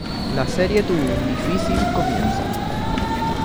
La serie tuvo un difícil comienzo.